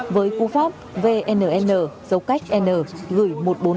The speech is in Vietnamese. với cú pháp vnn dấu cách n gửi một nghìn bốn trăm linh tám